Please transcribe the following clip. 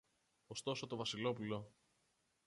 Ωστόσο το Βασιλόπουλο